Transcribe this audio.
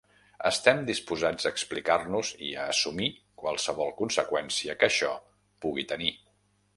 Estem disposats a explicar-nos i a assumir qualsevol conseqüència que això pugui tenir.